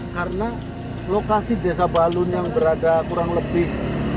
karena lokasi desa balun yang berada kurang lebih